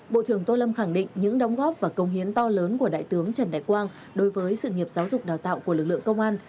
bộ trưởng tô lâm khẳng định những đóng góp và công hiến to lớn của đại tướng trần đại quang đối với sự nghiệp giáo dục đào tạo của lực lượng công an